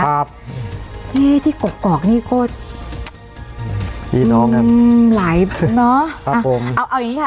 ครับนี่ที่กรอกกรอกนี่ก็อืมหลายเนอะครับผมเอาเอาอย่างงี้ค่ะ